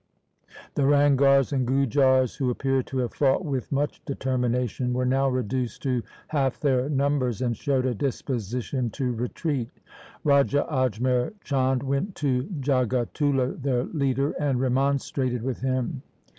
1 The Ranghars and Gujars, who appear to have fought with much determination, were now reduced to half their numbers, and showed a disposition to retreat. Raja Ajmer Chand went to Jagatullah, their leader, and remonstrated with him.